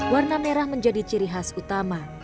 warna merah menjadi ciri khas utama